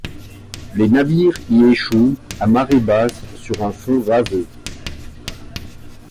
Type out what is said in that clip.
Les navires y échouent à marée basse sur un fond vaseux.